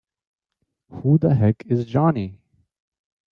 Who the heck is Johnny?!